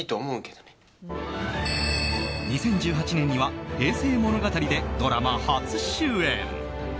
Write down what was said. ２０１８年には「平成物語」でドラマ初主演。